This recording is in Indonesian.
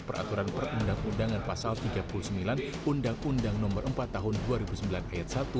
peraturan perundang undangan pasal tiga puluh sembilan undang undang nomor empat tahun dua ribu sembilan ayat satu